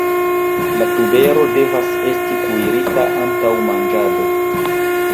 La tubero devas esti kuirita antaŭ manĝado.